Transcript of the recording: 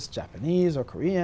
vì vậy sẽ rất khó